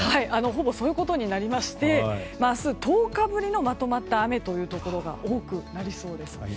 ほぼそういうことになりまして明日１０日ぶりのまとまった雨というところが多くなりそうです。